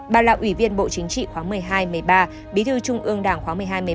bà là ủy viên bộ chính trị khóa một mươi hai một mươi ba bí thư trung ương đảng khóa một mươi hai một mươi ba